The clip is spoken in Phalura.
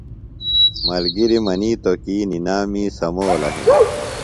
ملگِری منِیتوۡ کی نِنام می سمولہ ہِنہ۔